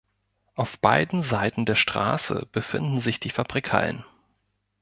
Auf beiden Seiten der Straße befinden sich die Fabrikhallen.